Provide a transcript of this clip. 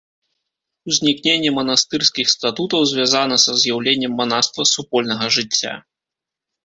Узнікненне манастырскіх статутаў звязана са з'яўленнем манаства супольнага жыцця.